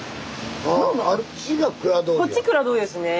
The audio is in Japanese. こっち蔵通りですね。